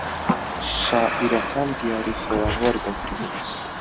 شاعیرەکان دیاریی خۆیان وەردەگرن